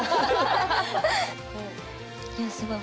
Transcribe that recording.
いやすごい。